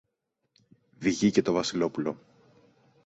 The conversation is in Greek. Βγήκε το Βασιλόπουλο.